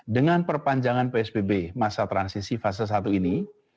dengan perpanjangan psbb masa transisi fase satu ini